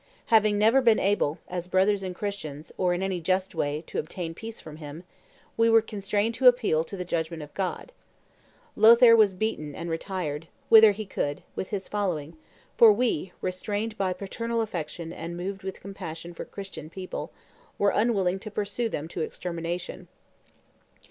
Having never been able, as brothers and Christians, or in any just way, to obtain peace from him, we were constrained to appeal to the judgment of God. Lothaire was beaten and retired, whither he could, with his following; for we, restrained by paternal affection and moved with compassion for Christian people, were unwilling to pursue them to extermination.